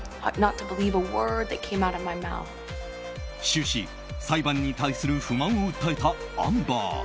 終始、裁判に対する不満を訴えたアンバー。